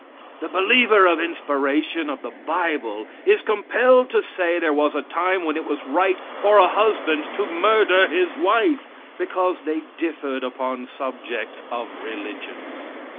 The believer of inspiration of the bible is compelled to say there was a time when it was right for a husband to murder his wife because they differed upon subjects of religion.